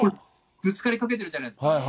ぶつかりかけてるじゃないですか。